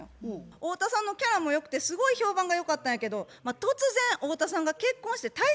太田さんのキャラも良くてすごい評判が良かったんやけど突然太田さんが結婚して退職しはってん。